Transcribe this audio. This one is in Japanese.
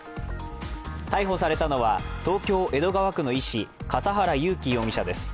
逮捕されたのは東京・江戸川区の医師笠原優輝容疑者です。